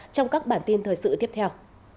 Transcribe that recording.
trong các bản tin thời sự tiếp theo